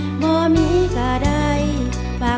กลับมาเมื่อเวลาที่สุดท้าย